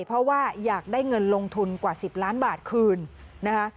เพราะว่าอยากได้เงินลงทุนกว่า๑๐ล้านบาทคืนนะคะ